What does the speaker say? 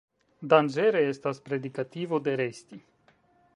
Danĝere estas predikativo de resti.